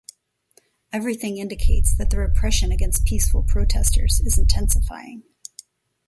Everything indicates that the repression against peaceful protesters is intensifying.